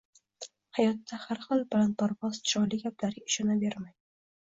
Hayotda har xil balandparvoz chiroyli gaplarga ishonavermang